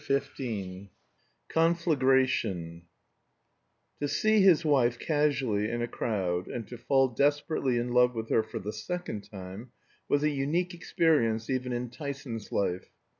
CHAPTER XV CONFLAGRATION To see his wife casually in a crowd, and to fall desperately in love with her for the second time, was a unique experience even in Tyson's life.